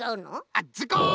あっズコン！